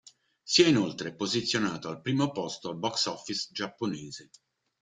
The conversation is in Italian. Si è inoltre posizionato al primo posto al box office giapponese.